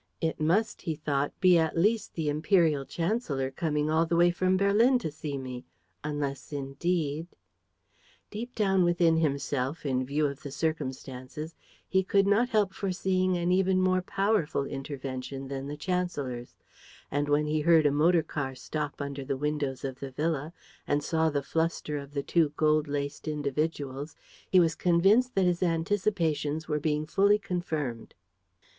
"It must," he thought, "be at least the imperial chancellor coming all the way from Berlin to see me ... unless indeed ..." Deep down within himself, in view of the circumstances, he could not help foreseeing an even more powerful intervention than the chancellor's; and, when he heard a motor car stop under the windows of the villa and saw the fluster of the two gold laced individuals, he was convinced that his anticipations were being fully confirmed.